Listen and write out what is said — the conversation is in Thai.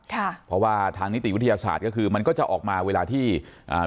ค่ะเพราะว่าทางนิติวิทยาศาสตร์ก็คือมันก็จะออกมาเวลาที่อ่า